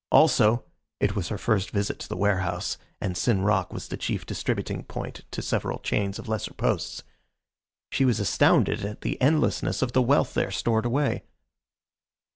Also (it was her first visit to the warehouse, and Sin Rock was the chief distributing point to several chains of lesser posts), she was astounded at the endlessness of the wealth there stored away.